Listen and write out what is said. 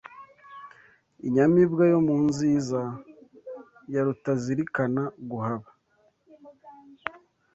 Inyamibwa yo mu nziza, ya rutazilikana guhaba